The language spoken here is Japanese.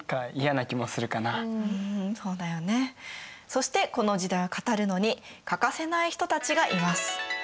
そしてこの時代を語るのに欠かせない人たちがいます。